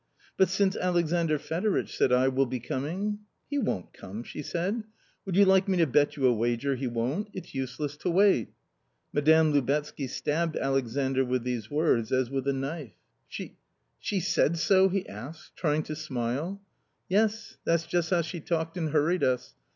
'But since Alexandr Fedoritch,' said I, ' will be coming ?'""' He won't come,' she said, " would you like me to bet you a wager he won't? it's useless to wait." Madame Lubetzky stabbed Alexandr with these words as with a knife. " She — she said so ?" he asked, trying to smile. "Yes, that's just how she talked and hurried us.